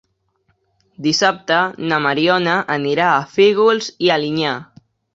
Dissabte na Mariona anirà a Fígols i Alinyà.